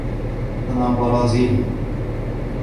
أنا برازيلي.